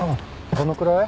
どのくらい？